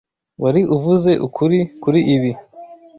Wari uvuze ukuri kuri ibi.